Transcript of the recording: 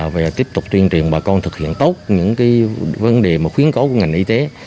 về tiếp tục tuyên truyền bà con thực hiện tốt những cái vấn đề mà khuyến cáo của ngành y tế